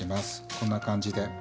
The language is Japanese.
こんな感じで。